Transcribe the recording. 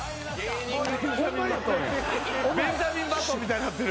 ・ベンジャミン・バトンみたいになってる。